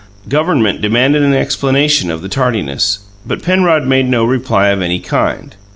Government demanded an explanation of the tardiness; but Penrod made no reply of any kind.